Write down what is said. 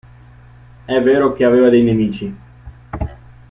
È vero che aveva dei nemici.